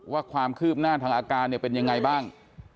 ว่าความคืบหน้าทางอาการเนี่ยเป็นยังไงบ้าง